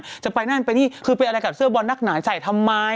จะไปนั่นไปนี่คือไปอะไรกับเสื้อบอลนักหนาใส่ทำไม